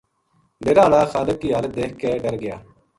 ڈیرا ہالا خالق کی حالت دیکھ کے ڈر گیا